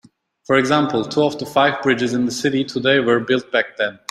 For example, two of the five bridges in the city today were built back then.